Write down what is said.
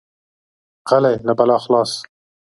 غلی، له بلا خلاص.